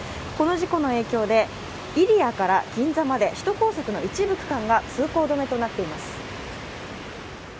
この事故の影響で入谷から銀座まで首都高速の一部区間が通行止めとなっています。